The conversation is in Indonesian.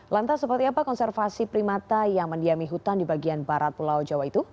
lantas seperti apa konservasi primata yang mendiami hutan di bagian barat pulau jawa itu